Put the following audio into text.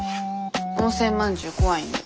温泉まんじゅう怖いんで。